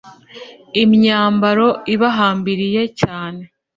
imyambaro ibahambiriye cyane…